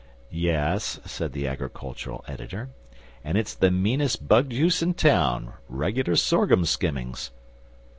"Yes," said the agricultural editor, "and it's the meanest bug juice in town regular sorghum skimmings."